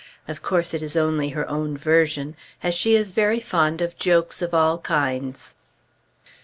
Of course it is only her own version, as she is very fond of jokes of all kinds.